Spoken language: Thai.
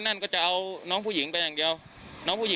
กู้ภัยก็เลยมาช่วยแต่ฝ่ายชายก็เลยมาช่วย